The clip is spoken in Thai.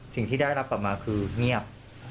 สิ่งที่ได้รับกลับมาคือเงียบ